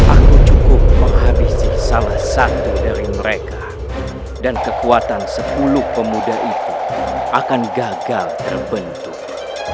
aku cukup menghabisi salah satu dari mereka dan kekuatan sepuluh pemuda itu akan gagal terbentuk